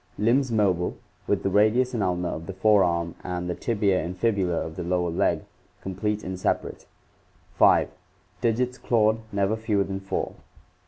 Limbs mobile, with the radius and ulna of the fore arm and the tibia and fibula of the lower leg complete and separate, 5. Digits clawed, never fewer than four.